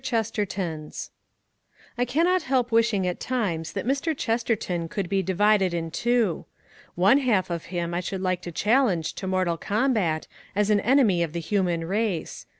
CHESTERTONS I cannot help wishing at times that Mr. Chesterton could be divided in two. One half of him I should like to challenge to mortal combat as an enemy of the human race.